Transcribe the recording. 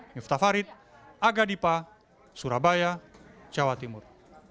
miftah farid aga dipa surabaya jawa timur